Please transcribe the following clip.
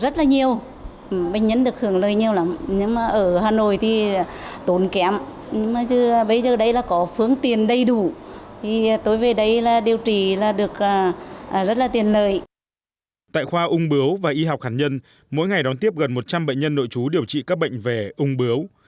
tại khoa ung bứu và y học hạt nhân mỗi ngày đón tiếp gần một trăm linh bệnh nhân nội chú điều trị các bệnh về ung bướu